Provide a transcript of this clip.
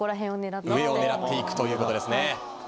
上を狙っていくということですね。